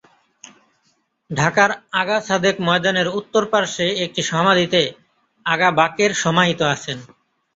ঢাকার আগা সাদেক ময়দানের উত্তর পার্শ্বে একটি সমাধিতে আগা বাকের সমাহিত আছেন।